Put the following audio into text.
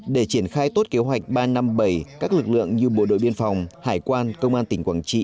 để triển khai tốt kế hoạch ba trăm năm mươi bảy các lực lượng như bộ đội biên phòng hải quan công an tỉnh quảng trị